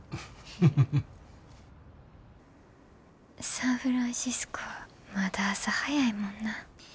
サンフランシスコはまだ朝早いもんな。